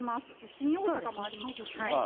新大阪もありますしね。